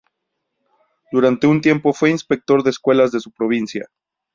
Durante un tiempo fue inspector de escuelas de su provincia.